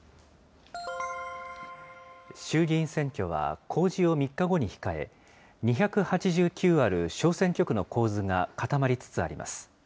衆議院選挙は、公示を３日後に控え、２８９ある小選挙区の構図が固まりつつあります。